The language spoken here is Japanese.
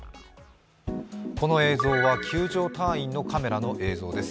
この映像は救助隊員のカメラの映像です